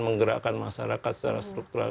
menggerakkan masyarakat secara struktural